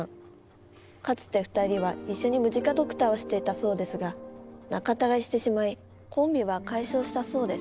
かつて２人は一緒にムジカドクターをしていたそうですが仲たがいしてしまいコンビは解消したそうです